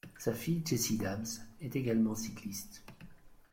Sa fille Jessie Daams est également cycliste.